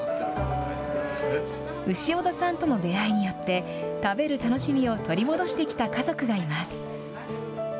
潮田さんとの出会いによって、食べる楽しみを取り戻してきた家族がいます。